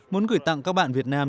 muốn gửi tặng các bạn việt nam